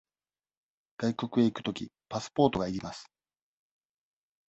外国へ行くとき、パスポートが要ります。